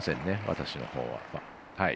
私のほうは。